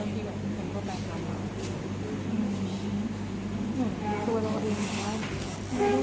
วันนี้เราหลับมาเขาก็ไม่มา